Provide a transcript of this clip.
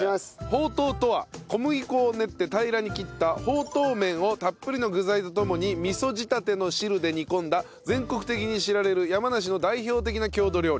ほうとうとは小麦粉を練って平らに切ったほうとう麺をたっぷりの具材と共に味噌仕立ての汁で煮込んだ全国的に知られる山梨の代表的な郷土料理。